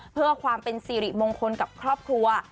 เพื่อความเป็นสิริมงคลกับครอบครัว